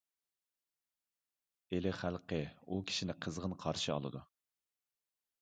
ئىلى خەلقى ئۇ كىشىنى قىزغىن قارشى ئالىدۇ.